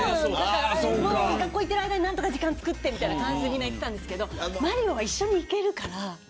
学校に行っている間に何とか時間をつくってみたいな感じだったんですけどマリオは一緒に行けるから。